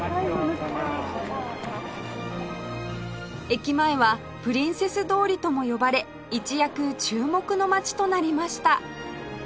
駅前はプリンセス通りとも呼ばれ一躍注目の街となりました